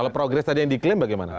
kalau progres tadi yang diklaim bagaimana